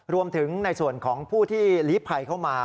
รวมถึงในส่วนของผู้ที่หลีภัยเข้ามา